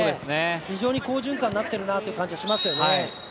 非常に好循環になってるなって感じしますよね。